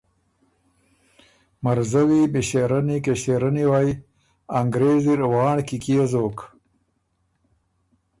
”مرزوی، مݭېرنې، کݭېرنې وئ! انګرېز اِر وانړ کی کيې زوک؟